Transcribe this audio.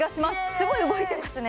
すごい動いてますね